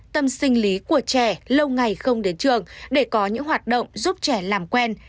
trường học cũng được lưu ý của trẻ lâu ngày không đến trường để có những hoạt động giúp trẻ làm quen